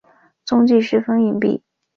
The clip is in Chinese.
踪迹十分隐蔽。